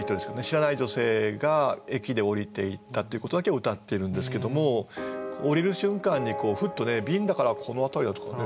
知らない女性が驛で下りていったっていうことだけをうたってるんですけども下りる瞬間にふっとね鬢だからこの辺りですかね